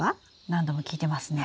何度も聞いてますね。